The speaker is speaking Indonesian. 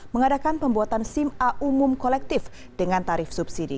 mengadakan pembuatan sim a umum kolektif dengan tarif subsidi